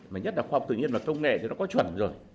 mà nhất là khoa học tự nhiên và công nghệ thì nó có chuẩn rồi